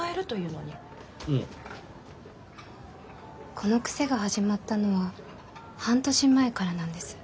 この癖が始まったのは半年前からなんです。